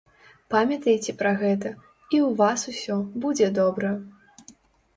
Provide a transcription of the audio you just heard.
Памятайце пра гэта, і вас усё будзе добра!